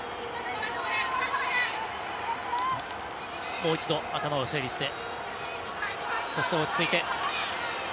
もう一度、頭を整理してそして、落ち着いて。